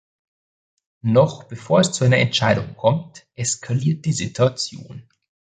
Noch bevor es zu einer Entscheidung kommt, eskaliert die Situation.